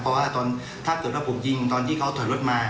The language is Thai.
เพราะว่าตอนถ้าเกิดว่าผมยิงตอนที่เขาถอยรถมา